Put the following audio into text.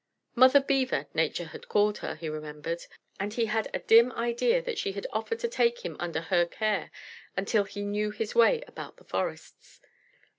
"Mother Beaver," Nature had called her, he remembered, and he had a dim idea that she had offered to take him under her care until he knew his way about the forests.